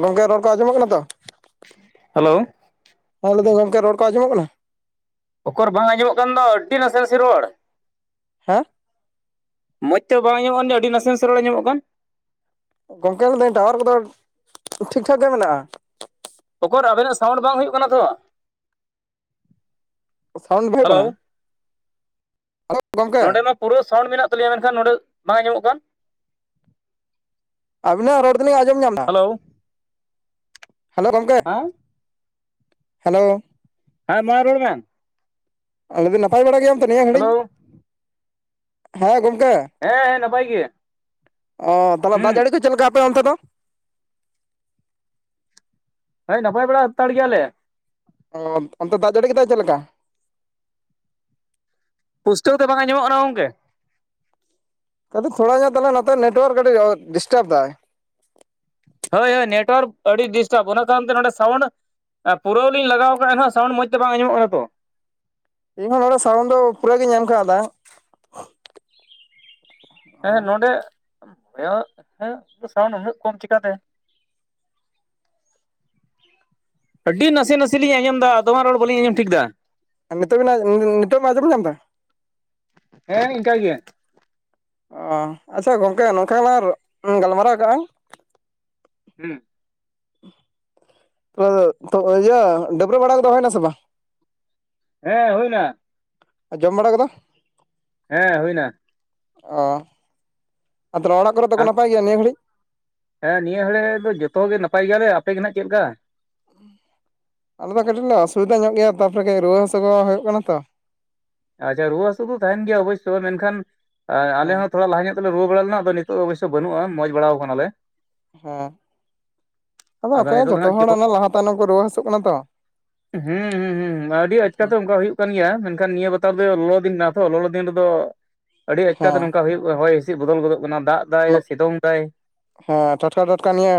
ᱜᱚᱝᱠᱮ ᱨᱚᱲ ᱠᱚ ᱟᱸᱡᱚᱢᱚᱜ ᱠᱟᱱᱟ ᱛᱚ ᱦᱮᱞᱳ ᱦᱮ ᱞᱟᱹᱭᱫᱟᱹᱧ ᱜᱚᱢᱠᱮ ᱨᱚᱲ ᱠᱚ ᱟᱸᱚᱢᱚᱜ ᱠᱟᱱᱟ ᱚᱠᱚᱨ ᱵᱟᱝ ᱟᱸᱡᱚᱢᱚᱜ ᱠᱟᱱ ᱫᱚ ᱟᱹᱻᱰᱤ ᱱᱟᱥᱮ ᱱᱟᱥᱮ ᱨᱚᱲ ᱦᱮᱸ ᱢᱚᱡᱽ ᱛᱮ ᱵᱟᱝ ᱟᱸᱧᱚᱜᱼᱟ ᱠᱟᱱ ᱛᱤᱧᱟ ᱟᱹᱰᱤ ᱱᱟᱥᱮ ᱱᱟᱥᱮ ᱨᱚᱲ ᱟᱸᱢᱚᱜ ᱠᱟᱱ ᱾ ᱜᱚᱝᱠᱮ ᱞᱮᱭᱫᱟᱹᱧ ᱴᱟᱣᱟᱨ ᱠᱚᱫᱚ ᱴᱷᱤᱠᱴᱷᱟᱠ ᱜᱮ ᱢᱮᱱᱟᱜᱼᱟ ᱾ ᱚᱠᱚᱨ ᱟᱵᱮᱱᱟᱜ ᱥᱟᱣᱩᱱᱰ ᱵᱟᱝ ᱦᱩᱭᱩᱜ ᱠᱟᱱᱟ ᱛᱚ ᱥᱟᱣᱩᱱᱰ ᱵᱟᱭ ᱦᱩᱭᱩᱜ ᱠᱟᱱᱟ ᱾ ᱱᱚᱸᱰᱮ ᱢᱟ ᱯᱩᱨᱟᱹ ᱥᱟᱣᱩᱱᱰ ᱢᱮᱱᱟᱜ ᱛᱟᱞᱤᱭᱟ ᱢᱮᱱᱠᱷᱟᱱ ᱱᱚᱸᱰᱮ ᱵᱟᱝ ᱟᱸᱡᱚᱢᱚᱜ ᱠᱟᱱ ᱟᱵᱤᱱᱟᱜ ᱨᱚᱲ ᱫᱚᱞᱤᱧ ᱟᱸᱡᱚᱢ ᱧᱟᱢᱫᱟ ᱦᱮᱞᱳ ᱦᱮᱞᱳ ᱜᱚᱢᱠᱮ ᱦᱮᱸ ᱦᱮᱞᱳ ᱦᱮᱸ ᱢᱟ ᱨᱚᱲ ᱢᱮ ᱞᱟᱹᱭ ᱫᱟᱧ ᱱᱟᱯᱟᱭ ᱵᱟᱲᱟ ᱜᱮᱭᱟᱢ ᱛᱚ ᱱᱤᱭᱟᱹ ᱜᱷᱟᱲᱤᱡ ᱦᱮᱞᱳ ᱦᱮᱸ ᱜᱚᱢᱠᱮ? ᱦᱮᱸ ᱦᱮᱸ ᱱᱟᱯᱟᱭ ᱜᱤᱭᱟᱧ ᱾ ᱚ ᱛᱟᱦᱚᱞᱮ ᱫᱟᱜ ᱡᱟᱹᱲᱤ ᱠᱚ ᱪᱮᱫ ᱞᱮᱠᱟ ᱟᱯᱮ ᱚᱱᱛᱮ ᱫᱚ ᱾ ᱦᱳᱭ ᱱᱟᱯᱟᱭ ᱵᱟᱲᱟ ᱦᱟᱛᱟᱲ ᱜᱮᱭᱟᱞᱮ ᱚ ᱚᱱᱛᱮ ᱫᱟᱜ ᱡᱟᱹᱲᱤ ᱠᱮᱫᱟᱭ ᱪᱮᱫ ᱞᱮᱠᱟ ᱾ ᱯᱩᱥᱴᱟᱹᱣ ᱛᱮ ᱵᱟᱝ ᱟᱸᱢᱚᱢᱚᱜ ᱠᱟᱱᱟ ᱜᱚᱝᱠᱮ ᱟᱫᱚ ᱛᱷᱟ ᱧᱚᱜ ᱛᱟᱦᱚᱞᱮ ᱱᱚᱛᱮ ᱱᱮᱴᱣᱟᱨᱠ ᱠᱟᱹᱴᱤᱡ ᱰᱤᱥᱴᱟᱵᱽ ᱫᱟᱭ ᱦᱳᱭ ᱦᱳᱭ ᱱᱮᱴᱣᱟᱨᱠ ᱟᱹᱰᱤ ᱰᱤᱥᱴᱟᱵ ᱚᱱᱟ ᱠᱟᱨᱚᱱ ᱛᱮ ᱱᱚᱰᱮ ᱥᱟᱣᱩᱱᱰ ᱯᱩᱨᱟᱹᱣ ᱞᱤᱧ ᱞᱟᱜᱟᱣᱟᱜᱼᱟ ᱮᱱᱦᱸᱥᱟᱣᱩᱱᱰ ᱢᱚᱸᱡᱽ ᱛᱮ ᱵᱟᱝ ᱟᱡᱟᱧᱚᱢᱚᱜ ᱠᱟᱱᱟ ᱛᱚ ᱤᱧ ᱦᱚᱸ ᱱᱚᱰᱮ ᱥᱟᱣᱩᱱ ᱫᱚ ᱯᱩᱨᱟᱹ ᱜᱤᱧ ᱮᱢ ᱠᱟᱶᱫᱟ ᱾ ᱦᱮᱸ ᱱᱚᱰᱮ ᱦᱮᱸ ᱥᱟᱩᱱᱰ ᱩᱱᱟᱹᱜ ᱠᱚᱢ ᱪᱤᱠᱟᱛᱮ [inaudible] ᱟᱹᱰᱤ ᱱᱟᱥᱮ ᱱᱟᱥᱮ ᱞᱤᱧ ᱟᱸᱡᱚᱢ ᱮᱫᱟ ᱫᱚᱢᱮ ᱨᱚᱲ ᱵᱟᱹᱞᱤᱧ ᱟᱸᱡᱚᱢ ᱴᱷᱤᱠ ᱫᱟ ᱾ ᱟᱨ ᱱᱤᱛᱚᱜ ᱵᱮᱱ ᱟᱡ ᱱᱤ ᱱᱤᱛᱚᱜ ᱵᱮ ᱢᱟᱸᱡᱟᱢ ᱧᱟᱢᱫᱟ? ᱦᱮᱸ ᱤᱝᱠᱟ ᱜᱮ᱾ ᱚᱻ ᱟᱪᱷᱟ ᱜᱚᱝᱠᱮ ᱱᱚᱝᱠᱟ ᱞᱟᱝ ᱜᱟᱞᱢᱟᱨᱟᱣ ᱠᱟᱜᱼᱟ᱾ ᱦᱩᱸ ᱛᱟᱦᱞᱮ ᱛᱚ ᱤᱭᱟᱹ ᱰᱟᱹᱵᱽᱨᱟᱹ ᱵᱟᱲᱟ ᱠᱚᱫᱚ ᱦᱚᱭᱱᱟ ᱥᱮ ᱵᱟᱝ? ᱦᱮᱸ ᱦᱩᱭᱱᱟ᱾ ᱡᱚᱢ ᱵᱟᱲᱟ ᱠᱚᱫᱚ? ᱦᱮᱸ ᱦᱩᱭᱱᱟ᱾ ᱚ ᱟᱨ ᱛᱟᱞᱮ ᱚᱲᱟᱜ ᱠᱚᱨᱮᱜ ᱫᱚᱠᱚ ᱟᱢ ᱱᱟᱯᱟᱭ ᱜᱮᱭᱟ ᱱᱤᱭᱟᱹ ᱜᱷᱟᱹᱲᱤᱡ? ᱦᱮᱸ ᱱᱤᱭᱟᱹ ᱦᱚᱲᱮ ᱫᱚ ᱡᱚᱛᱚ ᱜᱮ ᱱᱟᱯᱟᱭ ᱜᱮᱭᱟᱞᱮ ᱟᱯᱮᱜᱮ ᱱᱟᱦᱟᱜ ᱪᱮᱫᱮ ᱞᱮᱠᱟ? ᱟᱞᱮ ᱫᱚ ᱠᱟᱹᱴᱤᱡ ᱞᱮ ᱚᱥᱩᱵᱤᱫᱟ ᱧᱚᱜ ᱜᱮᱭᱟ, ᱛᱟᱯᱚᱨᱮ ᱠᱟᱹᱡ ᱨᱩᱣᱟᱹ ᱦᱟᱥᱩ ᱠᱚ ᱦᱩᱭᱩᱜ ᱠᱟᱱᱟ ᱛᱚ᱾ ᱟᱪᱪᱷᱟ ᱨᱩᱣᱟᱹ ᱦᱟᱥᱩ ᱫᱚ ᱛᱟᱦᱮᱱ ᱜᱮᱭᱟ ᱚᱵᱚᱥᱥᱳ ᱢᱮᱱᱠᱷᱟᱱ ᱟᱞᱮ ᱦᱮᱸ ᱦᱚᱸ ᱛᱷᱚᱲᱟ ᱞᱟᱦᱟ ᱧᱚᱜ ᱛᱚᱞᱮ ᱨᱩᱣᱟᱹ ᱵᱟᱲᱟ ᱞᱮᱱᱟ ᱟᱫᱚ ᱱᱤᱛᱚᱜ ᱫᱚ ᱚᱵᱚᱥᱳ ᱵᱟᱹᱱᱩᱜᱼᱟ, ᱢᱚᱡᱽ ᱵᱟᱲᱟᱣ ᱠᱟᱱᱟᱞᱮ᱾ ᱦᱮᱸ ᱟᱫᱚ ᱚᱝᱠᱟ ᱜᱮ ᱱᱤᱛᱚᱜ ᱫᱚ ᱡᱚᱛᱚ ᱦᱟᱸᱜ ᱦᱚᱲ ᱪᱮᱫ ᱚᱱᱟ ᱞᱟᱦᱟ ᱛᱟᱭᱱᱚᱢ ᱠᱚ ᱨᱩᱣᱟᱹ ᱦᱟᱹᱥᱩᱜ ᱠᱟᱱᱟ ᱛᱚ᱾ ᱦᱩᱸ ᱦᱩᱸ ᱦᱩᱸ ᱦᱩᱸ ᱟᱹᱰᱤ ᱟᱪᱠᱟ ᱫᱚ ᱚᱝᱠᱟ ᱦᱩᱭᱩᱜ ᱠᱟᱱ ᱜᱮᱭᱟ, ᱢᱮᱱᱠᱷᱟᱱ ᱱᱤᱭᱟᱹ ᱵᱟᱨ ᱛᱟᱨ ᱫᱚ ᱞᱚᱞᱚ ᱫᱤᱱ ᱠᱟᱱᱟ ᱛᱚ ᱞᱚᱞᱚ ᱫᱤᱱ ᱨᱮᱫᱚ ᱟᱹᱰᱤ ᱟᱪᱠᱟᱛᱮ ᱦᱮᱸ ᱱᱚᱝᱠᱟ ᱦᱩᱭᱩᱜ ᱦᱚᱭ ᱦᱤᱥᱤᱜ ᱵᱚᱫᱚᱞ ᱜᱚᱫᱚᱜ ᱠᱟᱱᱟ, ᱫᱟᱜ ᱫᱟᱜ ᱮᱭᱟ ᱥᱤᱛᱩᱝ ᱫᱟᱭ᱾ ᱦᱮᱸ ᱴᱟᱴᱠᱟ ᱴᱟᱴᱠᱟ ᱱᱤᱭᱮ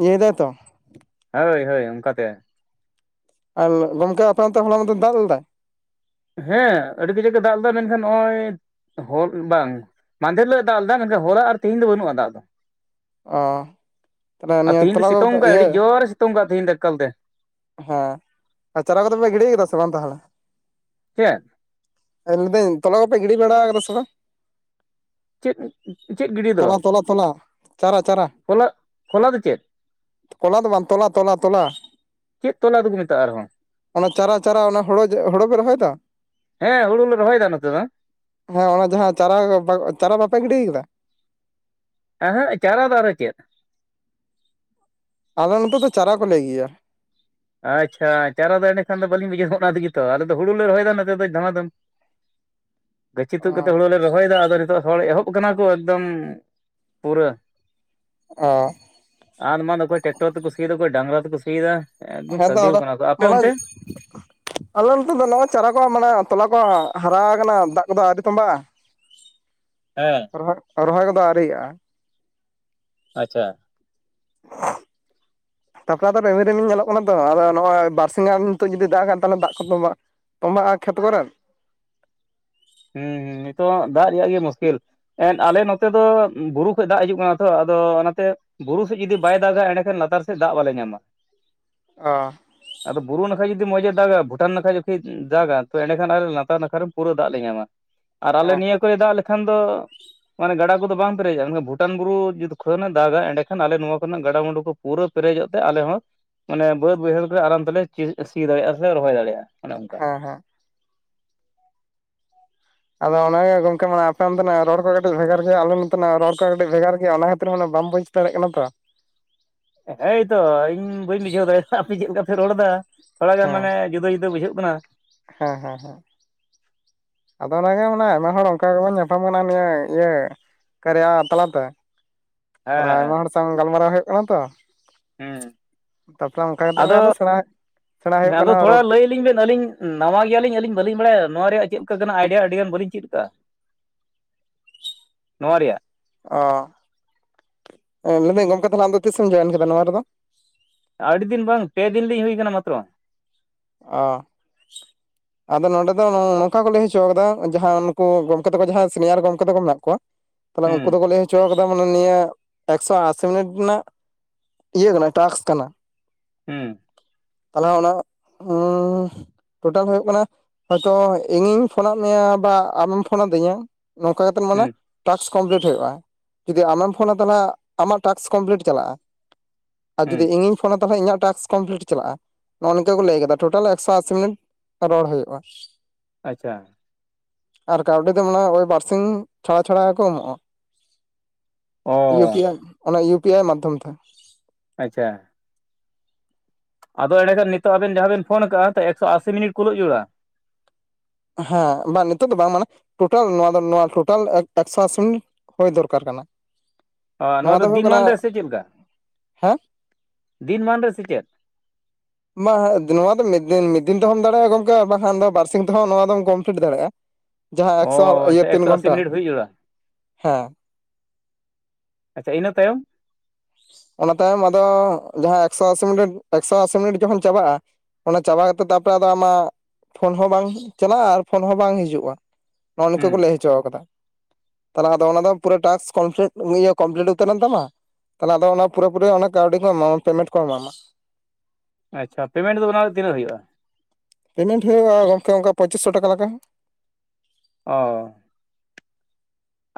ᱤᱭᱟᱹᱭ ᱫᱟᱭ ᱛᱚ᱾ ᱦᱳᱭ ᱦᱳᱭ ᱚᱝᱠᱟᱛᱮ ᱟᱞ ᱜᱚᱢᱠᱮ ᱟᱯᱮ ᱚᱱᱛᱮ ᱦᱚᱞᱟ ᱢᱟᱸᱫᱷᱮᱨ ᱫᱟᱜ ᱞᱮᱫᱟᱭ? ᱦᱮᱸ ᱟᱹᱰᱤ ᱠᱟᱡᱟᱜ ᱮ ᱫᱟᱜ ᱞᱮᱫᱟ, ᱢᱮᱱᱠᱷᱟᱱ ᱱᱚᱜᱼᱚᱭ ᱦᱚᱞ ᱵᱟᱝ᱾ ᱢᱟᱸᱫᱷᱮᱨ ᱦᱤᱞᱟᱹᱜ ᱮ ᱫᱟᱞ ᱮᱫᱟ, ᱢᱮᱱᱠᱷᱟᱱ ᱦᱚᱞᱟ ᱟᱨ ᱛᱮᱦᱮᱧ ᱫᱚ ᱵᱟᱹᱱᱩᱜᱼᱟ ᱫᱟᱜ ᱫᱚ᱾ ᱚ ᱛᱟᱦᱚᱞᱮ ᱟ ᱱᱤᱭᱟᱹ ᱛᱮᱤᱦᱤᱧ ᱫᱚ ᱛᱚᱞᱟ ᱠᱚ ᱥᱤᱛᱩᱝᱜ ᱠᱟᱜᱼᱟᱭ ᱤᱭᱟᱹ ᱟᱹᱰᱤ ᱡᱳᱨᱮ ᱥᱤᱛᱩᱝ ᱠᱟᱜᱼᱟ ᱛᱮᱦᱤᱧ ᱫᱚ ᱮᱠᱟᱞ ᱛᱮ ᱦᱮᱸ ᱟᱨ ᱪᱟᱨᱟ ᱠᱚᱫᱚ ᱯᱮ ᱜᱤᱰᱤ ᱠᱮᱫᱟ ᱥᱮ ᱵᱟᱝ ᱛᱟᱦᱚᱞᱮ? ᱪᱮᱜ? ᱦᱮᱸ ᱞᱟᱹᱭᱫᱟᱹᱧ ᱛᱚᱞᱟ ᱠᱚᱯᱮ ᱜᱤᱰᱤ ᱵᱟᱲᱟᱣ ᱠᱟᱫᱟ ᱥᱮ ᱵᱟᱝ? ᱪᱮᱫ ᱪᱮᱫ ᱜᱤᱰᱤ ᱫᱚ? ᱛᱚᱼᱛᱞᱟ [unintelligible] ᱪᱟᱨᱟ ᱪᱟᱨᱟ ᱡᱷᱚᱞᱟᱜ ᱠᱷᱚᱞᱟ ᱫᱚ ᱪᱮᱫ? ᱠᱚᱞᱟ ᱫᱚ ᱵᱟᱝ ᱛᱚᱞᱟ ᱛᱚᱞᱟ ᱛᱚᱞᱟ ᱪᱮᱫ ᱛᱚᱞᱟ ᱫᱚᱠᱚ ᱢᱮᱛᱟᱜᱼᱟ ᱟᱨᱦᱚᱸ? ᱚᱱᱟ ᱪᱟᱨᱟ ᱪᱟᱨᱟ ᱚᱱᱟ ᱡᱮ ᱦᱩᱲᱚ ᱦᱩᱲᱩ ᱯᱮ ᱨᱚᱦᱚᱭ ᱫᱚ? ᱦᱮᱸ ᱦᱩᱲᱩ ᱞᱮ ᱨᱚᱦᱚᱭᱫᱟ ᱱᱚᱛᱮ ᱫᱚ ᱦᱮᱸ ᱚᱱᱟ ᱡᱟᱦᱟᱸ ᱪᱟᱨᱟ ᱪᱟᱨᱟ ᱵᱟᱯᱮ ᱜᱤᱰᱤ ᱟᱠᱟᱫᱟ? ᱮᱸ ᱦᱮᱸᱜ ᱪᱟᱨᱟ ᱫᱚ ᱟᱨᱚ ᱪᱮᱫ? ᱟᱞᱮ ᱱᱚᱛᱮ ᱫᱚ ᱪᱟᱨᱟ ᱠᱚ ᱞᱟᱹᱭ ᱜᱮᱭᱟ᱾ ᱟᱪᱪᱷᱟ ᱪᱟᱨᱟ ᱫᱚ ᱮᱸᱰᱮᱠᱷᱟᱱ ᱫᱚ ᱵᱟᱹᱞᱤᱧ ᱵᱩᱡᱷᱣ ᱚᱱᱟ ᱛᱮᱜᱮ ᱛᱚ ᱟᱞᱮ ᱫᱚ ᱦᱩᱲᱩ ᱞᱮ ᱨᱚᱦᱚᱭᱫᱟ ᱱᱚᱛᱮ ᱫᱚ ᱫᱷᱟᱢᱟ ᱫᱷᱟᱹᱢ ᱜᱟᱹᱪᱷᱤ ᱛᱩᱜ ᱠᱟᱛᱮᱜ ᱚᱸ ᱦᱩᱲᱳ ᱞᱮ ᱨᱚᱦᱚᱭᱫᱟ ᱟᱫᱚ ᱱᱤᱛᱳᱜ ᱦᱚᱲ ᱮᱦᱚᱵ ᱠᱟᱱᱟ ᱠᱚ ᱮᱠᱫᱚᱢ ᱯᱩᱨᱟᱹ ᱚ ᱟᱸᱫᱽ ᱢᱟᱸᱫᱽ ᱚᱠᱚᱭ ᱴᱮᱠᱴᱚᱨᱨ ᱛᱮᱠᱚ ᱥᱤᱭ ᱫᱚ ᱚᱠᱚᱭ ᱰᱟᱝᱨᱟ ᱛᱮᱠᱚ ᱥᱤᱭᱮᱫᱟ᱾ ᱮᱠᱫᱚᱢ ᱦᱮᱸ ᱫᱚ ᱥᱟᱹᱨᱫᱤᱣ ᱟᱫᱚ ᱠᱟᱱᱟ ᱠᱚ ᱟᱯᱮ ᱢᱟᱱᱮ ᱚᱱᱛᱮ ᱟᱞᱮ ᱱᱚᱛᱮ ᱫᱚ ᱱᱚᱜᱼᱚᱭ ᱪᱟᱨᱟ ᱠᱚ ᱢᱟᱱᱮ ᱛᱚᱞᱟ ᱠᱚ ᱦᱟᱨᱟᱣ ᱟᱠᱟᱱᱟ ᱫᱟᱜ ᱠᱚᱫᱚ ᱟᱹᱣᱨᱤ ᱛᱚᱸᱵᱟᱜᱼᱟ᱾ ᱦᱮᱸ ᱨᱚᱦᱚᱭ ᱨᱚᱦᱚᱭ ᱠᱚᱫᱚ ᱟᱹᱣᱨᱤᱭᱟᱜᱼᱟ᱾ ᱟᱪᱪᱷᱟ [unintelligible] ᱛᱟᱯᱚᱨᱮ ᱟᱫᱚ ᱨᱮᱢᱤᱞ ᱨᱮᱢᱤᱧ ᱧᱮᱞᱚᱜ ᱠᱟᱱᱟ ᱛᱚ ᱟᱫᱚ ᱱᱚᱣᱟ ᱵᱟᱨᱥᱤᱟᱧ ᱜᱟᱱ ᱱᱤᱛᱚᱜ ᱡᱩᱫᱤ ᱫᱟᱜᱟ ᱛᱟᱦᱚᱞᱮ ᱫᱟᱜ ᱠᱚ ᱛᱚᱵᱟ ᱛᱚᱸᱵᱟᱜ-ᱟ ᱠᱷᱮᱛ ᱠᱚᱨᱮ ᱦᱩᱸ ᱦᱩᱸ ᱱᱤᱛᱚᱜ ᱫᱟᱜ ᱨᱮᱭᱟᱜ ᱜᱮ ᱢᱩᱥᱠᱤᱞ᱾ ᱮᱫ ᱟᱞᱮ ᱱᱚᱛᱮ ᱫᱚ ᱵᱩᱨᱩ ᱠᱷᱚᱡ ᱫᱟᱜ ᱦᱤᱡᱩᱜ ᱠᱟᱱᱟ ᱛᱚ ᱟᱫᱚ ᱚᱱᱟᱛᱮ᱾ ᱵᱩᱨᱩ ᱥᱮᱫ ᱡᱩᱫᱤ ᱵᱟᱭ ᱫᱟᱜᱟ ᱮᱸᱰᱮᱠᱷᱟᱱ ᱞᱟᱛᱟᱨ ᱥᱮᱫ ᱫᱟᱜ ᱵᱟᱞᱮ ᱧᱟᱢᱟ᱾ ᱚ ᱟᱫᱚ ᱵᱩᱨᱩ ᱱᱟᱠᱷᱟᱡ ᱡᱩᱫᱤ ᱢᱚᱸᱡ ᱮ ᱫᱟᱜᱟ ᱵᱷᱩᱴᱟᱱ ᱱᱟᱠᱷᱟ ᱡᱩᱫᱤ ᱫᱟᱜᱟ ᱛᱚ ᱮᱸᱰᱮᱠᱷᱟᱱ ᱟᱞᱮ ᱞᱟᱛᱟᱨ ᱱᱟᱠᱷᱟ ᱨᱮᱱ ᱯᱩᱨᱟᱹ ᱫᱟᱜ ᱞᱮ ᱧᱟᱢᱟ ᱾ ᱟᱨ ᱟᱞᱮ ᱦᱮᱸ ᱦᱮᱸ ᱱᱤᱭᱟᱹ ᱠᱚᱨᱮ ᱫᱟᱜ ᱞᱮᱠᱷᱟᱱ ᱫᱚ ᱢᱟᱱᱮ ᱜᱟᱰᱟ ᱠᱚᱫᱚ ᱵᱟᱝ ᱯᱮᱨᱮᱡᱟ ᱢᱮᱠᱷᱟᱱ ᱵᱷᱩᱴᱟᱱ ᱵᱩᱨᱩ ᱡᱩᱫᱤ ᱠᱷᱚᱱᱮ ᱫᱟᱜᱟ ᱮᱸᱰᱮᱠᱷᱟᱱ ᱟᱞᱮ ᱱᱚᱣᱟ ᱠᱚᱨᱮᱱᱟᱜ ᱜᱟᱰᱟᱼᱢᱩᱰᱩ ᱠᱚ ᱯᱩᱨᱟᱹ ᱯᱮᱨᱮᱡᱚᱜ ᱛᱮ ᱟᱞᱮ ᱦᱚᱸ ᱢᱟᱱᱮ ᱵᱟᱹᱫ ᱵᱟᱹᱭᱦᱟᱹᱲ ᱠᱚᱨᱮ ᱟᱨᱟᱢ ᱛᱮᱞᱮ ᱥᱤ ᱫᱟᱲᱮᱭᱟᱜᱼᱟ ᱥᱮ ᱞᱮ ᱨᱚᱦᱚᱭ ᱫᱟᱲᱮᱭᱟᱜᱼᱟ᱾ ᱚᱱᱮ ᱚᱱᱠᱟ ᱦᱮᱸ ᱦᱮᱸ ᱟᱫᱚ ᱚᱱᱟᱜᱮ ᱜᱚᱝᱠᱮ ᱢᱟ ᱟᱯᱮ ᱚᱱᱛᱮᱱᱟᱜ ᱨᱚᱲ ᱠᱚ ᱠᱟᱹᱴᱤᱡ ᱵᱷᱮᱜᱟᱨ ᱜᱮᱭᱟ ᱟᱞᱮ ᱱᱚᱛᱮᱱᱟᱜ ᱨᱚᱲ ᱠᱚ ᱠᱟᱹᱴᱤᱡ ᱵᱷᱮᱜᱟᱨ ᱜᱮᱭᱟ ᱚᱱᱟ ᱠᱷᱟᱹᱛᱤᱨ ᱢᱟᱱᱮ ᱵᱟᱢ ᱵᱩᱡᱽ ᱫᱟᱲᱮᱜ ᱠᱟᱱᱟ ᱛᱚ ᱮᱭ ᱛᱚ ᱤᱧ ᱵᱟᱹᱧ ᱵᱩᱡᱷᱟᱹᱣ ᱫᱟᱲᱮᱭᱟᱛᱟ ᱟᱯᱮ ᱪᱮᱫ ᱞᱤᱠᱟ ᱯᱮ ᱨᱚᱲ ᱮᱫᱟ᱾ ᱛᱷᱚᱲᱟ ᱜᱟᱱ ᱢᱟᱱᱮ ᱡᱩᱫᱟᱹ ᱡᱩᱫᱟᱹ ᱵᱩᱡᱷᱟᱹᱜ ᱠᱟᱱᱟ᱾ ᱦᱮᱸ ᱦᱮᱸ ᱦᱮᱸ ᱟᱫᱚ ᱚᱱᱟ ᱜᱮ ᱢᱟᱱᱮ ᱟᱭᱢᱟ ᱦᱚᱲ ᱚᱱᱠᱟ ᱜᱮᱵᱚᱱ ᱧᱟᱯᱟᱢ ᱠᱟᱱᱟ ᱱᱤᱭᱟᱹ ᱤᱭᱟᱹ ᱠᱟᱨᱭᱟ ᱛᱟᱞᱟᱛᱮ ᱦᱮᱸ ᱛᱟᱦᱞᱮ ᱟᱭᱢᱟ ᱦᱮᱸ ᱦᱚᱲ ᱥᱟᱶ ᱜᱟᱞᱢᱟᱨᱟᱣ ᱦᱩᱭᱩᱜ ᱠᱟᱱᱟ ᱛᱚ᱾ ᱦᱮᱸ ᱛᱟᱨᱯᱚᱨᱮ ᱚᱱᱠᱟ ᱠᱟᱛᱮᱜ ᱜᱮ ᱟᱫᱚ ᱥᱮᱬᱟ ᱥᱮᱬᱟ ᱦᱮᱸ ᱦᱩᱭᱩᱜ ᱟᱫᱚ ᱠᱟᱱᱟ ᱛᱷᱚᱲᱟ ᱨᱚᱲ ᱞᱟᱹᱭ ᱟᱹᱞᱤᱧ ᱵᱮᱱ ᱟᱹᱞᱤᱧ᱾ ᱱᱟᱣᱟ ᱜᱤᱭᱟ ᱞᱤᱧ ᱟᱹᱞᱤᱧ ᱵᱟᱹᱞᱤᱧ ᱵᱟᱲᱟᱭᱟ ᱱᱚᱣᱟ ᱨᱮᱭᱟᱜ ᱪᱮᱫ ᱠᱟ ᱠᱟᱱᱟ ᱟᱭᱰᱤᱭᱟ ᱟᱹᱰᱤ ᱜᱟᱱ ᱵᱟᱹᱞᱤᱧ ᱪᱮᱫ ᱠᱟᱜ-ᱟ᱾ ᱱᱚᱣᱟ ᱨᱮᱭᱟᱜ ᱚ ᱢᱮᱱ ᱮᱫᱟᱹᱧ ᱜᱚᱢᱠᱮ ᱛᱟᱦᱚᱞᱮ ᱟᱢᱫᱚ ᱛᱤᱥᱮᱢ ᱡᱚᱭᱮᱱ ᱠᱮᱫᱟ ᱱᱚᱣᱟ ᱨᱮᱫᱚ ᱟᱰᱤ ᱫᱤᱱ ᱵᱟᱝ ᱯᱮ ᱫᱤᱱ ᱞᱤᱧ ᱦᱩᱭ ᱟᱠᱟᱱᱟ ᱢᱟᱛᱨᱚ᱾ ᱚ [unintelligible] ᱟᱫᱚ ᱱᱚᱰᱮ ᱫᱚ ᱱᱚᱝᱠᱟ ᱠᱚ ᱞᱟᱹᱭ ᱦᱚᱪᱚ ᱠᱟᱫᱟ ᱡᱟᱦᱟᱸ ᱱᱠᱩ ᱜᱚᱢᱠᱮ ᱛᱟᱠᱚ ᱡᱟᱦᱟᱸᱭ ᱥᱤᱱᱤᱭᱟᱨ ᱜᱚᱢᱠᱮ ᱛᱟᱠᱚ ᱢᱮᱱᱟᱜ ᱠᱚᱣᱟ᱾ ᱛᱟᱦᱞᱮ ᱦᱩᱸ ᱩᱱᱠᱩ ᱫᱚᱠᱚ ᱞᱟᱹᱭ ᱦᱚᱪᱚᱣ ᱱᱤᱭᱟᱹ ᱮᱠᱥᱚ ᱟᱥᱤ ᱢᱤᱱᱤᱴ ᱨᱮᱱᱟᱜ ᱤᱭᱟᱹ ᱠᱟᱱᱟ ᱴᱟᱠᱥ ᱠᱟᱱᱟ᱾ ᱦᱩᱸ ᱛᱟᱞᱦᱮ ᱚᱱᱟ [unintelligible] ᱴᱳᱴᱟᱞ ᱦᱩᱭᱩᱜ ᱠᱟᱱᱟ ᱦᱚᱭᱛᱳ ᱤᱧᱤᱧ ᱯᱷᱳᱱᱟᱫ ᱢᱮᱭᱟ ᱵᱟ ᱟᱢᱮᱢ ᱯᱷᱳᱱᱟᱫᱤᱧᱟ ᱱᱚᱝᱠᱟ ᱠᱟᱛᱮᱫ ᱢᱟᱱᱮ ᱦᱩᱸ ᱴᱟᱠᱥ ᱠᱚᱢᱯᱤᱞᱤᱴ ᱦᱩᱭᱩᱜᱼᱟ ᱡᱩᱫᱤ ᱟᱢᱮᱢ ᱯᱷᱳᱱᱟ ᱛᱟᱦᱚᱞᱮ ᱟᱢᱟᱜ ᱴᱟᱠᱥ ᱠᱚᱢᱯᱤᱞᱤᱴ ᱪᱟᱞᱟᱜᱼᱟ᱾ ᱟᱨ ᱦᱩᱸ ᱡᱩᱫ ᱤᱧᱤᱧ ᱯᱷᱳᱱᱟ ᱛᱟᱦᱮ ᱤᱧᱟᱜ ᱴᱟᱥᱠ ᱠᱚᱢᱯᱞᱤᱴ ᱪᱟᱞᱟᱜᱼᱟ᱾ ᱱᱚᱜᱼᱚ ᱞᱟᱹᱭ ᱠᱟᱫᱟ ᱴᱳᱴᱟᱞ ᱮᱠᱥᱚ ᱟᱥᱤ ᱢᱤᱱᱤᱴ ᱨᱚᱲ ᱦᱩᱭᱩᱜᱼᱟ᱾ ᱟᱪᱪᱷᱟ ᱟᱨ ᱠᱟᱣᱰᱤ ᱫᱚ ᱢᱚᱱᱮ ᱦᱚᱭ ᱳᱭ ᱵᱟᱨᱥᱤᱧ ᱪᱷᱟᱲᱟ ᱪᱷᱟᱲᱟ ᱜᱮᱠᱚ ᱮᱢᱚᱜᱼᱟ᱾ ᱚ ᱤᱭᱩ ᱯᱤ ᱟᱭ ᱚᱱᱟ ᱤᱭᱩ ᱯᱤ ᱟᱭ ᱢᱟᱫᱽᱫᱷᱚᱢ ᱛᱮ᱾ ᱟᱪᱪᱷᱟ ᱟᱫᱚ ᱮᱸᱰᱮᱠᱷᱟᱱ ᱱᱤᱛᱚᱜ ᱟᱵᱮᱱ ᱡᱟᱦᱟᱸ ᱵᱮᱱ ᱯᱷᱳᱱ ᱟᱠᱟᱜ- ᱟ ᱥᱮ ᱮᱠᱥᱚ ᱟᱥᱤ ᱢᱤᱱᱤᱴ ᱠᱩᱞᱟᱹᱜ ᱡᱟᱹᱲᱩᱲᱟ᱾ ᱦᱮᱸ ᱵᱟᱝ ᱱᱤᱛᱚᱜ ᱫᱚ ᱵᱟᱝ ᱢᱟᱱᱮ ᱴᱳᱴᱟᱞ ᱱᱚᱣᱟ ᱫᱚ ᱱᱚᱣᱟ ᱴᱳᱴᱟᱞ ᱮᱠᱥᱚ ᱟᱥᱤ ᱦᱩᱭ ᱫᱚᱨᱠᱟᱨ ᱠᱟᱱᱟ᱾ ᱱᱚᱣᱟ ᱫᱚ ᱫᱤᱱ ᱢᱟᱱ ᱨᱮ ᱥᱮ ᱪᱮᱫ ᱞᱮᱠᱟ ᱦᱮᱸ ᱫᱤᱱ ᱢᱟᱱ ᱨᱮ ᱥᱮᱪᱮᱫ ᱱᱚᱣᱟ ᱫᱚ ᱢᱤᱫ ᱫᱤᱱ ᱢᱤᱫ ᱫᱤᱱ ᱛᱮᱦᱚᱸᱢ ᱫᱟᱲᱮᱭᱟᱜ-ᱟ ᱜᱚᱢᱠᱮ ᱵᱟᱝ ᱠᱷᱟᱱ ᱫᱚ ᱵᱟᱨ ᱥᱤᱧ ᱛᱮᱦᱚᱸ ᱱᱚᱣᱟ ᱫᱚᱢ ᱠᱚᱢᱯᱤᱞᱤᱴ ᱫᱟᱲᱮᱭᱟᱜ-ᱟ᱾ ᱚ ᱟᱪᱪᱷᱟ ᱮᱠᱥᱚ ᱟᱥᱤ ᱢᱤᱱᱤᱴ ᱦᱩᱭ ᱡᱟᱹᱲᱩᱲᱟᱹ ᱦᱮᱸ ᱟᱪᱪᱷᱟ ᱤᱱᱟᱹ ᱛᱟᱭᱚᱢ ᱚᱱᱟ ᱛᱟᱭᱚᱢ ᱟᱫᱚ ᱡᱟᱦᱟᱸ ᱮᱠᱥᱚ ᱟᱥᱤ ᱢᱤᱱᱤᱴ ᱮᱠᱥᱚ ᱟᱥᱤ ᱢᱤᱱᱤᱴ ᱡᱚᱠᱷᱚᱱ ᱪᱟᱵᱟᱜᱼᱟ᱾ ᱚᱱᱟ ᱪᱟᱵᱟ ᱠᱟᱛᱮᱫ ᱟᱢᱟᱜ ᱯᱷᱳᱱ ᱦᱚᱸ ᱵᱟᱝ ᱪᱟᱞᱟᱜᱼᱟ, ᱟᱨ ᱯᱷᱳᱱ ᱦᱚᱸ ᱵᱟᱝ ᱦᱤᱡᱩᱜᱼᱟ᱾ ᱱᱚᱜ ᱱᱚᱝᱠᱟ ᱦᱩᱸ ᱠᱚ ᱞᱟᱹᱭ ᱦᱚᱪᱚ ᱠᱟᱫᱟ᱾ ᱛᱟᱦᱮ ᱟᱫᱚ ᱚᱱᱟ ᱯᱩᱨᱟᱹ ᱴᱟᱠᱥ ᱠᱚᱢᱯᱞᱤ ᱠᱚᱢᱯᱞᱤᱴ ᱩᱛᱟᱹᱨᱮᱱ ᱛᱟᱢᱟ ᱛᱟᱞᱮ ᱟᱫᱚ ᱚᱱᱟ ᱯᱩᱨᱟᱹ ᱯᱩᱨᱤᱟᱱᱮ ᱠᱟᱹᱣᱰᱤ ᱧᱟᱢᱟᱭ ᱯᱮᱢᱮᱴ ᱠᱚ ᱮᱢᱟᱢᱟ ᱟᱪᱪᱷᱟ ᱯᱮᱢᱮᱱᱴ ᱫᱚ ᱚᱱᱟ ᱨᱮ ᱛᱤᱱᱟᱹᱜ ᱦᱩᱭᱩᱜ-ᱟ ᱯᱮᱢᱮᱱᱴ ᱦᱩᱭᱩᱜ-ᱟ ᱜᱚᱢᱠᱮ ᱚᱝᱠᱟ ᱯᱚᱸᱪᱤᱥ ᱥᱚ ᱴᱟᱠᱟ ᱞᱮᱠᱟ᱾ ᱚ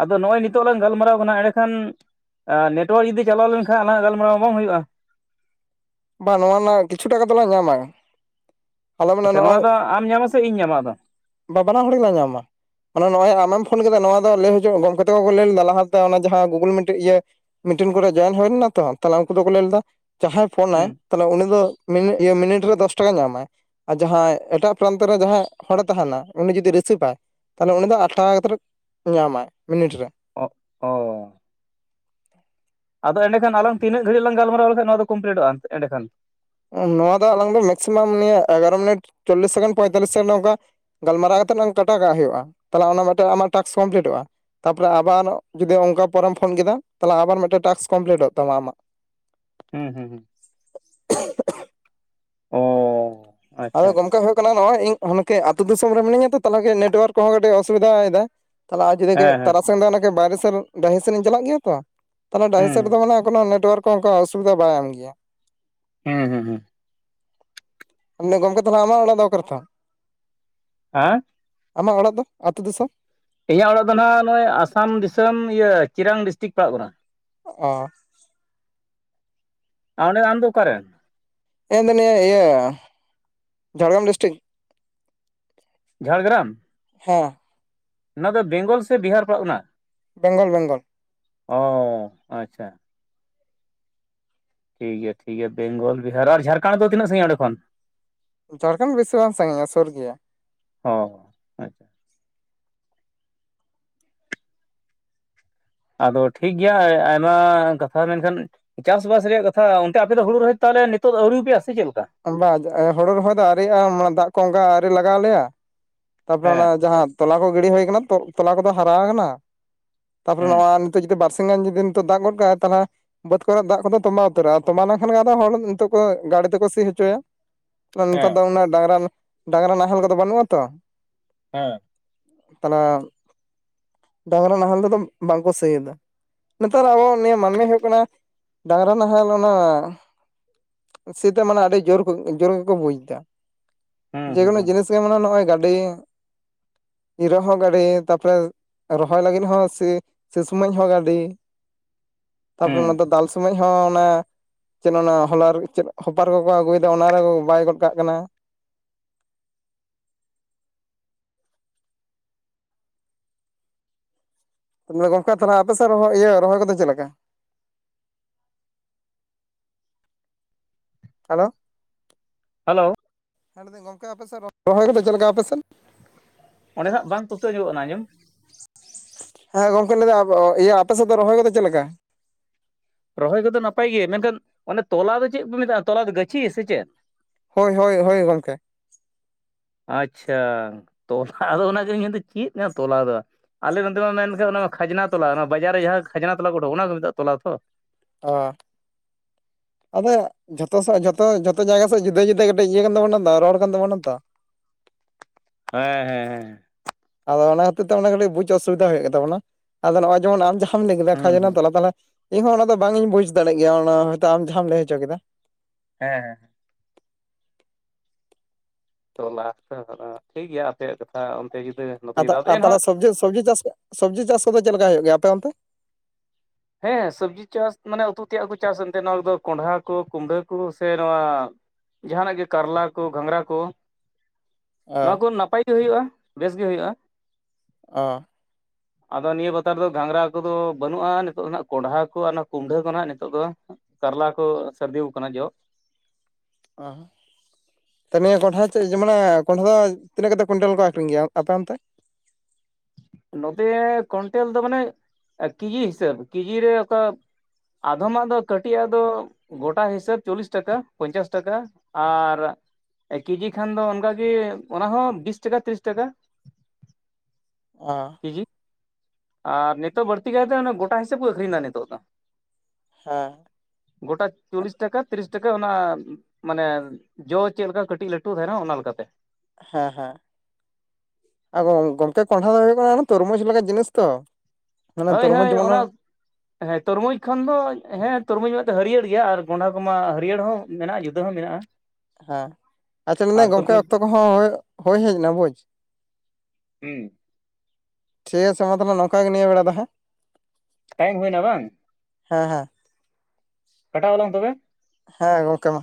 ᱟᱫᱚ ᱱᱚᱜ-ᱚᱭ ᱱᱤᱛᱚᱜ ᱞᱟᱝ ᱜᱟᱞᱢᱟᱨᱟᱣ ᱠᱟᱱᱟ ᱮᱸᱰᱮᱠᱷᱟᱱ ᱟᱨ ᱱᱮᱴᱣᱟᱨᱠ ᱡᱩᱫᱤ ᱪᱟᱞᱟᱣ ᱞᱮᱱᱠᱷᱟᱱ ᱟᱞᱟᱝᱟᱜ ᱜᱟᱞᱢᱟᱨᱟᱣ ᱵᱟᱝ ᱦᱩᱭᱩᱜ-ᱟ ᱵᱟᱝ ᱱᱟᱣᱟ ᱨᱮᱱᱟᱜ ᱠᱤᱪᱷᱩ ᱴᱟᱜ ᱠᱚᱫᱚᱞᱟᱝ ᱧᱟᱢᱟᱭ ᱟᱪᱪᱷᱟ ᱱᱚᱣᱟ ᱫᱚ ᱟᱢ ᱧᱟᱢᱟ ᱥᱮ ᱤᱧ ᱧᱟᱢᱟ ᱟᱫᱚ ᱵᱟ ᱵᱟᱱᱟ ᱦᱚᱲᱞᱟᱝ ᱧᱟᱢᱟ ᱦᱚᱞᱟ ᱱᱚᱜ ᱚᱭ ᱟᱢᱮᱢ ᱯᱷᱳᱱ ᱠᱮᱫᱟ ᱱᱚᱣᱟ ᱫᱚ ᱞᱟᱹᱭ ᱦᱚᱪᱚᱭᱮᱫ ᱜᱚᱢᱠᱮ ᱛᱟᱠᱚ ᱞᱟᱹᱭ ᱞᱮᱫᱟ ᱞᱟᱦᱟᱛᱮ ᱚᱱᱟ ᱡᱟᱦᱟᱸ ᱜᱩᱜᱩᱞ ᱢᱤᱴ ᱤᱭᱟᱹ ᱢᱤᱴᱮᱱ ᱠᱚᱨᱮ ᱡᱚᱭᱮᱱ ᱦᱩᱭ ᱞᱮᱱᱟ ᱛᱚ ᱛᱟᱞᱦᱮ ᱩᱱᱠᱩ ᱫᱚᱠᱚ ᱞᱟᱹᱭ ᱞᱮᱫᱟ ᱡᱟᱦᱟᱸᱭ ᱯᱷᱳᱱᱟᱭ ᱦᱩᱸ ᱩᱱᱤ ᱫᱚ ᱢᱤᱱᱤᱴ ᱨᱮ ᱫᱚᱥ ᱴᱟᱠᱟ ᱧᱟᱢᱟᱭ ᱾ ᱟᱨ ᱡᱟᱦᱟᱸᱭ ᱮᱴᱟᱜ ᱯᱨᱟᱱᱛᱚ ᱨᱮ ᱡᱟᱦᱟᱸᱭ ᱦᱚᱲᱮ ᱛᱟᱦᱮᱱᱟ ᱩᱱᱤ ᱡᱩᱫᱤ ᱨᱤᱥᱤᱯᱟᱭ ᱛᱟᱞᱮ ᱩᱱᱤ ᱫᱚ ᱟᱴᱴᱟ ᱠᱟᱛᱮ ᱧᱟᱢᱟᱭ ᱢᱤᱱᱤᱴ ᱨᱮ‍᱾ ᱚᱜ ᱦᱚ ᱟᱫᱚ ᱮᱸᱰᱮᱠᱷᱟᱱ ᱟᱝ ᱛᱤᱱᱟᱹᱜ ᱜᱟᱹᱲᱤᱡ ᱞᱟᱝ ᱜᱟᱞᱢᱟᱨᱟᱣ ᱞᱮᱫᱟ ᱚᱱᱟ ᱫᱚ ᱠᱚᱢᱯᱞᱤᱴᱚᱜ-ᱟ ᱮᱰᱮᱠᱷᱟᱱ ᱱᱚᱣᱟ ᱫᱚ ᱟᱞᱟᱝ ᱫᱚ ᱢᱮᱠᱥᱤᱢᱟᱢ ᱱᱤᱭᱟᱹ ᱮᱜᱟᱨᱳ ᱢᱤᱱᱤᱴ ᱪᱚᱞᱞᱤᱥ ᱥᱮᱠᱮᱱᱰ ᱯᱚᱸᱭᱛᱟᱞᱞᱤᱥ ᱥᱮᱠᱮᱱᱰ ᱱᱚᱝᱠᱟ ᱜᱟᱞᱢᱟᱨᱟᱜ ᱠᱟᱛᱮ ᱞᱟᱝ ᱠᱟᱴᱚᱜᱟᱜ ᱦᱤᱭᱳᱜ-ᱟ ᱛᱟᱞᱮ ᱚᱱᱟ ᱢᱟᱛᱚ ᱟᱢᱟᱜ ᱴᱟᱠᱥ ᱠᱚᱢᱯᱞᱤᱴᱚᱜ-ᱟ ᱛᱟᱯᱚᱨᱮ ᱟᱵᱟᱨ ᱡᱩᱫᱤ ᱚᱱᱠᱟ ᱯᱚᱨᱮᱢ ᱯᱷᱳᱱ ᱠᱮᱫᱟ ᱛᱟᱞᱮ ᱟᱵᱟᱨ ᱢᱤᱫᱴᱟᱝ ᱴᱟᱠᱥ ᱠᱚᱢᱯᱞᱤᱴᱚᱜ ᱛᱟᱢᱟ ᱟᱢᱟᱜ ᱦᱩᱸ ᱦᱩᱸ ᱦᱩᱸ ᱚ ᱟᱪᱪᱷᱟ ᱟᱫᱚ ᱟᱪᱪᱷᱟ ᱜᱚᱢᱠᱮ ᱦᱩᱭᱩᱜ ᱠᱟᱱᱟ ᱱᱚᱜ-ᱚᱭ ᱤᱧ ᱤᱱᱠᱟᱹ ᱟᱛᱩ ᱫᱤᱥᱚᱢ ᱨᱮ ᱢᱤᱱᱟᱹᱧᱟ ᱛᱚ ᱛᱟᱞᱦᱮ ᱠᱟᱡ ᱱᱮᱴᱣᱟᱨᱠ ᱠᱚᱦᱚᱸ ᱚᱥᱩᱵᱤᱫᱟᱭ ᱫᱟᱭ ᱛᱟᱞᱮ ᱟᱡᱩᱲᱟᱹ ᱜᱮ ᱦᱮᱸ ᱦᱮᱸ ᱛᱟᱨᱟᱥᱤᱧ ᱫᱚ ᱵᱟᱭᱨᱮ ᱥᱮᱱ ᱰᱟᱹᱦᱤ ᱥᱮᱱᱤᱧ ᱪᱟᱞᱟᱜ ᱜᱮᱭᱟ ᱛᱚ ᱛᱟᱞᱮ ᱰᱟᱦᱤ ᱦᱩᱸ ᱥᱮᱫ ᱨᱮᱫᱚ ᱢᱟᱱᱮ ᱠᱚᱱᱚ ᱱᱮᱴᱳᱣᱟᱨᱠ ᱠᱚ ᱚᱱᱠᱟ ᱚᱥᱩᱵᱤᱫᱟ ᱵᱟᱝ ᱜᱮᱭᱟ ᱦᱮᱸ ᱦᱮᱸ ᱦᱮᱸ ᱟᱢᱫᱚ ᱜᱚᱢᱠᱮ ᱛᱟᱞᱮ ᱟᱢᱟᱜ ᱚᱲᱟᱜ ᱫᱚ ᱚᱠᱟᱨᱮ ᱛᱟᱢ? ᱦᱮᱸ ᱟᱢᱟᱜ ᱚᱲᱟᱜ ᱫᱚ ᱟᱹᱛᱩ ᱫᱤᱥᱚᱢ ᱤᱧᱟᱹᱜ ᱚᱲᱟᱜ ᱫᱚ ᱱᱟᱜ ᱚᱱᱮ ᱟᱥᱟᱢ ᱫᱤᱥᱚᱢ ᱤᱭᱟᱹ ᱪᱤᱨᱟᱝ ᱰᱤᱥᱴᱤᱠ ᱯᱟᱲᱟᱜ ᱠᱟᱱᱟ᱾ ᱚ ᱚᱸᱰᱮ ᱟᱢ ᱫᱚ ᱚᱠᱟᱨᱮᱱ ᱮ ᱢᱟᱱᱮ ᱤᱭᱟᱹ ᱡᱷᱟᱲᱜᱟᱢ ᱰᱤᱥᱴᱤᱠ ᱡᱷᱟᱲᱜᱨᱟᱢ ᱦᱮᱸ ᱚᱱᱟ ᱫᱚ ᱵᱮᱝᱜᱚᱞ ᱥᱮ ᱵᱤᱦᱟᱨ ᱯᱟᱲᱟᱜ ᱠᱟᱱᱟ ᱵᱮᱝᱜᱚᱞ ᱵᱮᱝᱜᱚᱞ ᱚᱻ ᱟᱪᱪᱷᱟ ᱴᱷᱤ ᱜᱮᱭᱟ ᱴᱷᱤ ᱜᱮᱭᱟ ᱵᱮᱝᱜᱚᱞ ᱵᱤᱦᱟᱨ ᱟᱨ ᱡᱷᱟᱨᱠᱟᱱᱰ ᱫᱚ ᱛᱤᱱᱟᱹᱜ ᱥᱟᱹᱤᱧᱟ ᱚᱸᱰᱮ ᱠᱷᱚᱱ ᱡᱷᱟᱲᱠᱷᱚᱱᱰ ᱵᱮᱥᱤ ᱵᱟᱝ ᱥᱟᱹᱜᱤᱧᱟ ᱥᱳᱨ ᱜᱮᱭᱟ ᱚ ᱟᱪᱪᱷᱟ ᱟᱫᱚ ᱴᱷᱤᱠ ᱜᱮᱭᱟ ᱟᱭᱢᱟ ᱠᱟᱛᱷᱟ ᱢᱮᱱᱠᱷᱟᱱ ᱪᱟᱥᱵᱟᱥ ᱨᱮᱭᱟᱜ ᱠᱟᱛᱷᱟ ᱚᱱᱛᱮ ᱟᱯᱮ ᱫᱚ ᱦᱩᱲᱩ ᱨᱚᱦᱚᱭ ᱛᱟᱦᱞᱮ ᱱᱤᱛᱚᱜ ᱫᱚ ᱟᱹᱣᱨᱤᱯᱮᱭᱟ ᱥᱮ ᱪᱮᱫ ᱞᱮᱠᱟ ᱵᱟᱛ ᱦᱳᱲᱩ ᱨᱚᱦᱚᱭ ᱫᱚ ᱟᱣᱨᱤᱭᱟᱜ-ᱟ ᱫᱟᱜ ᱠᱚ ᱚᱝᱠᱟ ᱟᱨᱤ ᱞᱟᱜᱟᱣ ᱟᱞᱮᱭᱟ ᱛᱟᱯᱚᱨ ᱦᱮᱸ ᱚᱱᱟ ᱡᱟᱦᱟᱸ ᱛᱚᱞᱟ ᱠᱚ ᱜᱤᱰᱤ ᱦᱩᱭ ᱠᱟᱱᱟ ᱛᱚᱞᱟ ᱠᱚᱫᱚ ᱦᱟᱨᱟᱣ ᱠᱟᱱᱟ ᱛᱟᱯᱚᱨᱮ ᱦᱮᱸ ᱱᱟᱱ ᱛᱮ ᱡᱩᱫᱤ ᱵᱟᱨ ᱥᱤᱧ ᱜᱟᱱ ᱡᱩᱫᱤ ᱫᱟᱜ ᱜᱚᱫ ᱠᱟᱜᱟᱭ ᱛᱦᱞᱮ ᱵᱟᱹᱫᱽ ᱠᱚᱨᱮ ᱫᱟᱜ ᱠᱚᱫᱚ ᱛᱚᱵᱟ ᱩᱛᱟᱹᱨᱚᱜ-ᱟ ᱛᱚᱵᱟ ᱞᱮᱱᱠᱷᱟᱱ ᱜᱮ ᱟᱫᱚ ᱦᱚᱲ ᱱᱤᱛᱚᱜ ᱠᱚ ᱜᱟᱹᱰᱤ ᱛᱮᱠᱚ ᱥᱤ ᱪᱚᱭᱟ ᱱᱮᱛᱟᱨ ᱦᱮᱸ ᱫᱚ ᱚᱱᱟ ᱰᱟᱝᱨᱟ ᱰᱟᱝᱨᱟ ᱱᱟᱦᱮᱞ ᱠᱚᱫᱚ ᱵᱟᱹᱱᱩᱜ ᱟᱛᱚ ᱦᱮᱸ ᱛᱟᱦᱞᱮ ᱰᱟᱝᱨᱟ ᱱᱟᱦᱮᱞ ᱛᱮᱫᱚ ᱵᱟᱝᱠᱚ ᱥᱤᱭᱫᱟ ᱱᱮᱛᱟᱨ ᱟᱵᱚ ᱱᱤᱭᱟᱹ ᱢᱟᱹᱱᱢᱤ ᱦᱩᱭᱩᱜ ᱠᱟᱱᱟ ᱰᱟᱝᱨᱟ ᱱᱟᱦᱮᱞ ᱚᱱᱮ ᱥᱤᱛᱚ ᱢᱟᱱᱮ ᱟᱹᱰᱤ ᱡᱳᱨ ᱡᱳᱨ ᱜᱮᱠᱚ ᱵᱩᱡ ᱮᱫᱟ ᱦᱩᱸ ᱦᱩᱸ ᱡᱮᱠᱳᱱᱳ ᱦᱩᱸ ᱡᱤᱱᱤᱥ ᱢᱟᱱᱮ ᱱᱚᱜᱼᱚᱭ ᱜᱟᱹᱰᱤ ᱤᱨᱟᱹᱜ ᱦᱚᱸ ᱜᱟᱹᱰᱤ ᱛᱟᱯᱚᱨᱮ ᱨᱚᱦᱚᱭ ᱞᱟᱹᱜᱤᱫ ᱦᱚᱸ ᱥᱮ ᱥᱤ ᱥᱚᱢᱚᱭ ᱦᱚᱸ ᱜᱟᱹᱰᱤ [inaudible] ᱛᱟᱯᱚᱨᱮ ᱚᱱᱟ ᱦᱩᱸ ᱫᱚ ᱫᱟᱞ ᱥᱚᱢᱚᱭ ᱦᱚᱸ ᱚᱱᱟ ᱪᱮᱫ ᱚᱱᱟ ᱦᱚᱞᱟᱨ ᱪᱮᱫ ᱦᱚᱯᱟᱨ ᱠᱚᱠᱚ ᱟᱹᱜᱩᱭᱟ ᱚᱱᱟ ᱨᱮ ᱵᱟᱭ ᱜᱚᱫ ᱠᱟᱜ ᱠᱟᱱᱟ ᱛᱟᱦᱚᱞᱮ ᱜᱚᱢᱠᱮ ᱟᱯᱮ ᱥᱮᱫ ᱤᱭᱟᱹ ᱨᱚᱦᱚᱭ ᱠᱚᱫᱚ ᱪᱮᱫ ᱞᱮᱠᱟ ᱦᱮᱞᱳ ᱦᱮᱞᱳ ᱦᱮᱸ ᱞᱟ. ᱭᱫᱟᱹᱧ ᱜᱚᱢᱠᱮ ᱟᱯᱮᱥᱮᱫ ᱨᱚᱦᱚᱭ ᱠᱚᱫᱚ ᱪᱮᱫ ᱞᱮᱠᱟ ᱟᱯᱮᱥᱮᱫ ᱚᱸᱰᱮᱱᱟᱜ ᱵᱟᱝ ᱯᱩᱥᱴᱟᱹᱣ ᱧᱚᱜᱚᱜ ᱠᱟᱱᱟ ᱟᱡᱚᱢ ᱦᱮᱸ ᱜᱚᱝᱠᱮ ᱞᱟᱹᱭᱫᱟ ᱤᱭᱟᱹ ᱟᱯᱮ ᱥᱮᱫ ᱫᱚ ᱨᱚᱦᱚᱭ ᱠᱚᱫᱚ ᱪᱮᱫ ᱞᱮᱠᱟ ᱨᱚᱦᱚᱭ ᱠᱚᱫᱚ ᱱᱟᱯᱟᱭ ᱜᱮ ᱢᱮᱱᱠᱷᱟᱱ ᱚᱱᱮ ᱛᱚᱞᱟ ᱫᱚ ᱪᱮᱫ ᱯᱮ ᱢᱮᱛᱟᱜᱼᱟ ᱛᱚᱞᱟ ᱫᱚ ᱜᱟᱹᱪᱷᱤ ᱥᱮ ᱪᱮᱫ ᱦᱳᱭ ᱦᱳᱭ ᱦᱳᱭ ᱜᱚᱢᱠᱮ ᱟᱪᱪᱷᱟ ᱛᱚᱞᱟ ᱟᱫᱚ ᱚᱱᱟ ᱜᱤᱧ ᱢᱮᱱᱫᱟ ᱪᱮᱫ ᱠᱟᱱᱟ ᱛᱚᱞᱟ ᱫᱚ ᱟᱞᱮ ᱱᱚᱛᱮ ᱢᱟ ᱢᱮᱱᱠᱷᱟᱱ ᱚᱱᱟ ᱠᱷᱟᱡᱽᱱᱟ ᱛᱚᱞᱟ ᱚᱱᱟ ᱵᱟᱡᱟᱨ ᱨᱮ ᱡᱟᱦᱟᱸ ᱠᱷᱟᱡᱽᱱᱟ ᱛᱚᱞᱟ ᱩᱰᱩᱠ ᱚᱱᱟ ᱠᱚ ᱢᱮᱛᱟᱜ ᱛᱚᱞᱟ ᱛᱚ ᱚ ᱟᱫᱚ ᱡᱷᱚᱛᱚ ᱥᱮᱫ ᱡᱷᱚᱛᱚ ᱡᱚᱛᱚ ᱡᱟᱭᱜᱟ ᱥᱮᱫ ᱡᱩᱫᱟᱹ ᱡᱩᱫᱟᱹ ᱠᱟᱹᱴᱤᱡ ᱤᱭᱟᱹ ᱠᱟᱱ ᱛᱟᱵᱚᱱᱟ ᱨᱚᱲ ᱠᱟᱱ ᱛᱵᱚᱱᱟ ᱛᱚ ᱦᱮᱸ ᱦᱮᱸ ᱦᱮᱸ ᱟᱫᱚ ᱚᱱᱟ ᱠᱷᱟᱹᱛᱤᱨ ᱛᱮ ᱠᱟᱹᱴᱤᱡ ᱵᱩᱡᱽ ᱚᱥᱩᱵᱤᱫᱟ ᱦᱩᱭᱩᱜ ᱛᱟᱵᱚᱱᱟ ᱱᱚᱜᱚᱭ ᱡᱮᱢᱚᱱ ᱟᱢ ᱡᱟ ᱞᱟᱹᱭ ᱠᱮᱫᱟ ᱦᱩᱸ ᱦᱩᱸ ᱠᱷᱟᱡᱱᱟ ᱛᱚᱞᱟ ᱛᱟᱦᱚᱞᱮ ᱤᱧᱦᱚᱸ ᱚᱱᱟ ᱫᱚ ᱵᱟᱝ ᱤᱧ ᱵᱩᱡᱽ ᱫᱟᱲᱮᱭᱟᱜ ᱜᱮᱭᱟ ᱚᱱᱟ ᱦᱚᱭᱛᱚ ᱟᱢ ᱡᱟᱦᱟᱸᱢ ᱞᱟᱹᱭ ᱦᱚᱪᱚ ᱠᱮᱫᱟ ᱦᱮᱸ ᱦᱮᱸ ᱛᱚᱞᱟ ᱴᱷᱤᱠ ᱜᱮᱭᱟ ᱟᱯᱮᱭᱟᱜ ᱠᱟᱛᱷᱟ ᱚᱱᱛᱮ ᱡᱩᱫᱟᱹ ᱱᱚᱛᱮ ᱟᱫᱚ ᱡᱩᱫᱟᱹ ᱟᱫᱚ ᱮᱱᱦᱚᱸ ᱛᱟᱦᱚᱞᱮ ᱥᱚᱵᱡᱤ ᱥᱚᱵᱡᱤ ᱪᱟᱥ ᱥᱚᱵᱡᱤ ᱪᱟᱥ ᱠᱚᱫᱚ ᱪᱮᱫ ᱞᱮᱠᱟ ᱦᱩᱭᱩᱜ ᱜᱮᱭᱟ ᱟᱯᱮ ᱚᱱᱛᱮ ᱦᱮᱸ ᱥᱚᱵᱽᱡᱤ ᱪᱟᱥ ᱢᱟᱱᱮ ᱩᱛᱩ ᱛᱮᱭᱟᱜ ᱠᱚ ᱪᱟᱥ ᱮᱱᱛᱮ ᱫᱚ ᱱᱚᱣᱟᱫᱚ ᱠᱚᱸᱰᱷᱟ ᱠᱚ ᱠᱩᱢᱰᱲᱟᱹ ᱠᱚ ᱥᱮ ᱱᱚᱣᱟ ᱡᱟᱦᱟᱸᱱᱟᱜ ᱜᱮ ᱠᱟᱨᱞᱟ ᱠᱚ ᱜᱷᱟᱸᱜᱽᱨᱟ ᱠᱚ ᱚ ᱱᱚᱣᱟ ᱠᱚ ᱱᱟᱯᱟᱭ ᱜᱮ ᱦᱩᱭᱩᱜᱼᱟ ᱵᱮᱥ ᱜᱮ ᱦᱩᱭᱩᱜᱼᱟ ᱚ ᱟᱫᱚ ᱱᱤᱭᱟᱹ ᱵᱟᱛᱟᱨ ᱫᱚ ᱜᱷᱟᱸᱜᱽᱨᱟ ᱠᱚᱫᱚ ᱵᱟᱹᱱᱩᱜ ᱟᱱ ᱱᱤᱛᱚᱜ ᱫᱚ ᱱᱟᱜ ᱠᱚᱸᱰᱷᱟ ᱠᱚ ᱟᱨ ᱚᱱᱟ ᱠᱩᱢᱰᱟᱹ ᱠᱚᱦᱱᱟᱜ ᱱᱤᱛᱚᱜ ᱫᱚ ᱠᱟᱨᱞᱟ ᱠᱚ ᱥᱟᱨᱫᱤ ᱟᱠᱟᱱᱟ ᱡᱚᱜᱽ ᱟᱨ ᱛᱟᱦᱞᱮ ᱱᱤᱭᱟᱹ ᱠᱚᱸᱰᱷᱟ ᱪᱮᱫ ᱡᱮ ᱠᱚᱸᱰᱷᱟ ᱫᱚ ᱛᱤᱱᱟᱹᱜ ᱠᱟᱛᱮ ᱠᱩᱭᱱᱴᱟᱞ ᱠᱚ ᱟᱹᱠᱷᱨᱤᱧ ᱜᱮᱭᱟ ᱟᱯᱮ ᱚᱱᱛᱮ ᱱᱚᱛᱮ ᱠᱚᱱᱴᱮᱞ ᱫᱚ ᱢᱟᱱᱮ ᱠᱮᱡᱤ ᱦᱤᱥᱟᱹᱵ ᱠᱮᱡᱤ ᱨᱮ ᱚᱠᱟ ᱟᱫᱚᱢᱟᱜ ᱫᱚ ᱠᱟᱹᱴᱤᱡ ᱟᱜ ᱫᱚ ᱜᱚᱴᱟ ᱦᱤᱥᱟᱹᱵ ᱪᱚᱞᱞᱤᱥ ᱴᱟᱠᱟ ᱯᱚᱧᱪᱟᱥ ᱴᱟᱠᱟ ᱟᱨ ᱮ ᱠᱮᱡᱤ ᱠᱷᱟᱱ ᱫᱚ ᱚᱱᱠᱟᱜ ᱜᱮ ᱚᱱᱟ ᱦᱚᱸ ᱵᱤᱥ ᱴᱟᱠᱟ ᱛᱤᱨᱤᱥ ᱴᱟᱠᱟ [unintelligible] ᱠᱮᱡᱤ ᱟᱨ ᱱᱤᱛᱚᱜ ᱵᱟᱹᱲᱛᱤ ᱠᱟᱭᱛᱮ ᱜᱚᱴᱟ ᱦᱤᱥᱟᱹᱵ ᱠᱚ ᱟᱠᱷᱨᱤᱧ ᱮᱫᱟ ᱱᱤᱛᱚᱜ ᱫᱚ ᱦᱮᱸ ᱜᱚᱴᱟ ᱪᱚᱞᱞᱤᱥ ᱴᱟᱠᱟ ᱛᱤᱨᱤᱥ ᱴᱟᱠᱟ ᱚᱱᱟ ᱢᱟᱱᱮ ᱡᱚ ᱪᱮᱫ ᱞᱮᱠᱟ ᱠᱟᱹᱴᱤᱡ ᱞᱟᱹᱴᱩ ᱫᱟᱨᱟ ᱚᱱᱟ ᱞᱮᱠᱟᱛᱮ ᱦᱮᱸ ᱦᱮᱸ ᱟᱨ ᱜᱚᱝᱠᱮ ᱠᱚᱱᱰᱷᱟ ᱫᱚ ᱦᱩᱭᱩᱜ ᱠᱟᱱᱟ ᱛᱚᱨᱢᱩᱡᱽ ᱞᱟᱜᱟᱜ ᱡᱤᱱᱤᱥ ᱛᱚ ᱢᱟᱱᱮ ᱦᱳᱭ ᱛᱚᱨᱢᱩᱡᱽ ᱦᱳᱭ ᱡᱮᱢᱚᱱ ᱚᱱᱟ ᱦᱮᱸ ᱛᱚᱨᱢᱩᱡᱽ ᱠᱷᱚᱱ ᱫᱚ ᱦᱮᱸ ᱛᱚᱨᱢᱩᱡᱽ ᱢᱮ ᱫᱚ ᱦᱟᱹᱨᱭᱟᱹᱲ ᱜᱮᱭᱟ ᱟᱨ ᱠᱟᱸᱰᱷᱟ ᱠᱚᱢᱟ ᱦᱟᱹᱨᱭᱟᱹᱲ ᱦᱚᱸ ᱢᱮᱱᱟᱜᱼᱟ ᱜᱮᱫᱚ ᱢᱮᱱᱟᱜᱼᱟ ᱦᱮᱸ ᱟᱪᱪᱷᱟ ᱟᱨ ᱢᱮᱱᱮ ᱜᱚᱝᱠᱮ ᱛᱚᱨᱢᱩᱡᱽ ᱚᱠᱛᱚ ᱠᱚᱦᱚᱸ ᱦᱳᱭ ᱦᱮᱡ ᱮᱱᱟ ᱵᱩᱡᱽ ᱦᱩᱸ ᱴᱷᱤᱠ ᱜᱮᱭᱟ ᱥᱚᱢᱟᱛᱚᱜ ᱱᱚᱝᱠᱟ ᱜᱮ ᱱᱤᱭᱟᱹ ᱵᱮᱲᱟ ᱫᱚ ᱦᱟᱸᱜ ᱴᱟᱭᱤᱢ ᱦᱩᱭ ᱮᱱᱟ ᱵᱟᱝ ᱦᱮᱸ ᱦᱮᱸ ᱠᱟᱴᱟᱣᱣᱟᱞᱟᱝ ᱛᱚᱵᱮ ᱦᱮᱸ ᱦᱮᱸ ᱜᱚᱝᱠᱮ ᱢᱟ